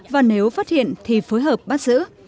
và nếu phát hiện thì phối hợp bắt giữ